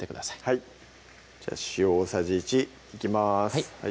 はいじゃあ塩大さじ１いきます